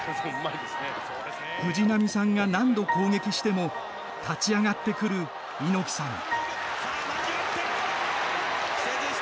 藤波さんが何度攻撃しても立ち上がってくる猪木さん。